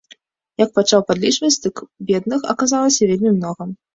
Як пачаў падлічваць, дык бедных аказалася вельмі многа.